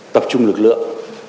tập trung lực lượng